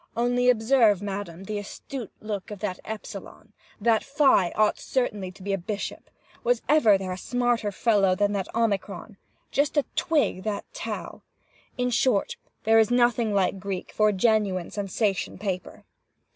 Only observe, madam, the astute look of that Epsilon! That Phi ought certainly to be a bishop! Was ever there a smarter fellow than that Omicron? Just twig that Tau! In short, there is nothing like Greek for a genuine sensation paper.